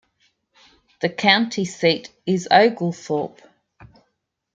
The county seat is Oglethorpe.